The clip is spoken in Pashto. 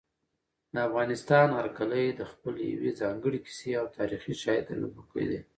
د افغانستان هر کلی د خپلې یوې ځانګړې کیسې او تاریخي شاليد درلودونکی دی.